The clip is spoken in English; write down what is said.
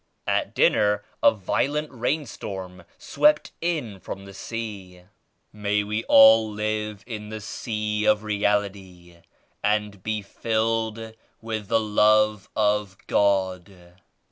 At dinner a violent rain storm sweot in from the sea. "May we all live in the Sea of Reality and be filled with the Love of God.